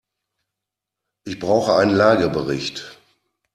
Ich brauche einen Lagebericht.